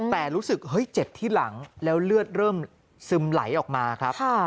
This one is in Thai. แต่รู้สึกเฮ้ยเจ็บที่หลังแล้วเลือดเริ่มซึมไหลออกมาครับ